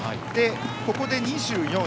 ここで２４位。